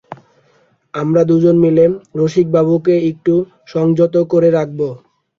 আমরা দুজনে মিলে রসিকবাবুকে একটু সংযত করে রাখব।